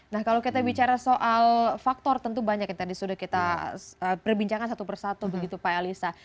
nah kalau kita bicara soal faktor tentu banyak yang tadi sudah kita perbincangkan satu persatu begitu pak elisa